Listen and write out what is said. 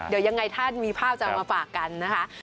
เดี๋ยวยังไงถ้ามีภาพจะเอามาฝากกันนะคะ